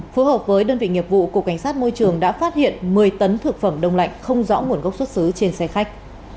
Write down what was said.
phối hợp với đơn vị nghiệp vụ cục cảnh sát môi trường đã phát hiện một mươi tấn thực phẩm đông lạnh không rõ nguồn gốc xuất xứ trên xe khách